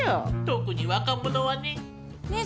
特に若者はね。